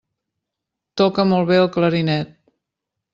Toca molt bé el clarinet.